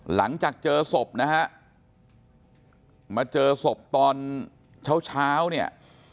หลังจากเจอศพนะฮะมาเจอศพตอนเช้าเช้าเนี่ย